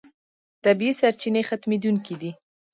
طبیعي سرچینې ختمېدونکې دي.